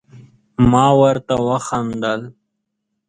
ما ورته وخندل ،